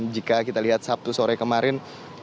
jika kita lihat sabtu sore kemarin